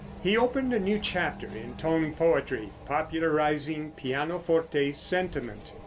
He opened a new chapter in tone poetry, popularizing pianoforte sentiment.